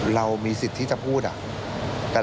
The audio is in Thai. เรามีสิทธิ์พูดอ่ะ